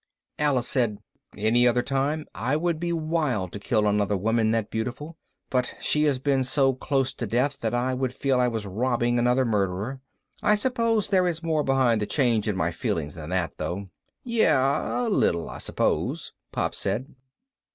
Alice said, "Any other time I would be wild to kill another woman that beautiful. But she has been so close to death that I would feel I was robbing another murderer. I suppose there is more behind the change in my feelings than that, though." "Yeah, a little, I suppose," Pop said.